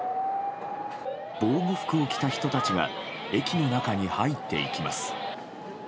防護服を着た人たちが駅の中に入っていきます。